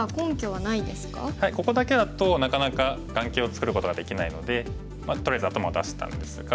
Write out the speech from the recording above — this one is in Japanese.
はいここだけだとなかなか眼形を作ることができないのでとりあえず頭を出したんですが。